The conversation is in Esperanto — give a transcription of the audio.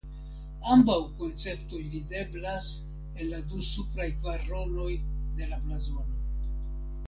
Ambaŭ konceptoj videblas en la du supraj kvaronoj de la blazono.